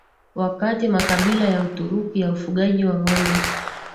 wakati makabila ya Uturuki ya ufugaji wa ngombe